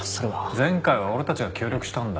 前回は俺たちが協力したんだ。